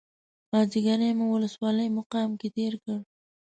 مازیګری مو ولسوالۍ مقام کې تېر کړ.